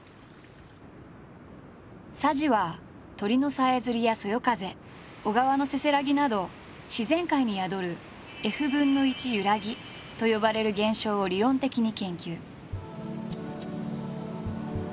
佐治は鳥のさえずりやそよ風小川のせせらぎなど自然界に宿る「１／ｆゆらぎ」と呼ばれる現象を理論的に研究。